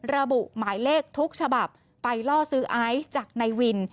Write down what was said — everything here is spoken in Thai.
ระบุหมายเลขทุกฉบับไปล่อซื้อไอซ์จากนายวิน